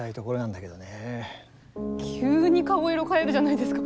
急に顔色変えるじゃないですか。